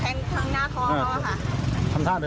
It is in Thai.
เค้าใช่ไปติดไอ้เขาทีนี้ยาวร้องน้ำสามรอบ